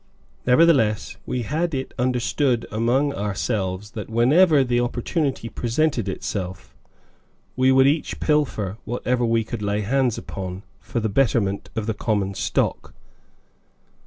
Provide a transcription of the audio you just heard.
Nevertheless, we had it understood among ourselves that whenever the opportunity presented itself, we would each pilfer whatever we could lay hands upon, for the betterment of the common stock.